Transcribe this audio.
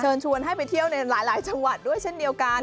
ชวนให้ไปเที่ยวในหลายจังหวัดด้วยเช่นเดียวกัน